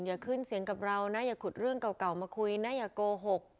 อย่าขึ้นเสียงกับเรานะอย่าขุดเรื่องเก่ามาคุยนะอย่าโกหก